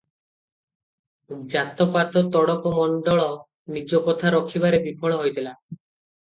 ଜାତ-ପାତ ତୋଡ଼କ ମଣ୍ଡଳ ନିଜ କଥା ରଖିବାରେ ବିଫଳ ହୋଇଥିଲା ।